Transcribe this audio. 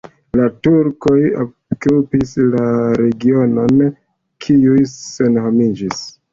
La turkoj okupis la regionon, kiu senhomiĝis.